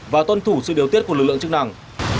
và tuân thủ sự điều tiết của lực lượng chức năng